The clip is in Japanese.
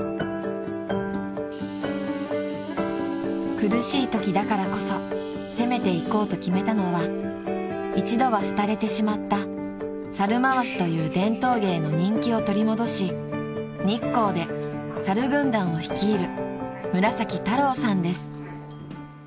［苦しいときだからこそ攻めていこうと決めたのは一度は廃れてしまった猿回しという伝統芸の人気を取り戻し日光でさる軍団を率いる］